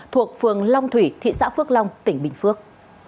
thuộc phường long thủy thị xã phước long tỉnh bình phước